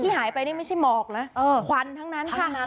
ที่หายไปนี่ไม่ใช่หมอกนะควันทั้งนั้นค่ะ